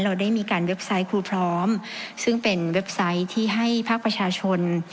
เราได้มีการเว็บไซต์ครูพร้อมซึ่งเป็นเว็บไซต์ที่ให้ภาคประชาชน